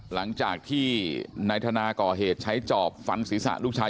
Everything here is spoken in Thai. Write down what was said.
หลังจากที่นายธนาก่อเหตุใช้จอบฟันศีรษะลูกชาย